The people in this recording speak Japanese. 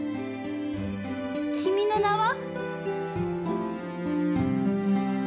「君の名は。」？